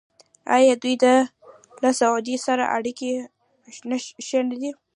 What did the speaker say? آیا دوی له سعودي سره اړیکې ښې نه کړې؟